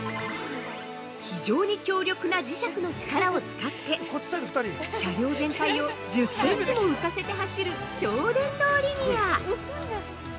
◆非常に強力な磁石の力を使って車両全体を１０センチも浮かせて走る超電導リニア。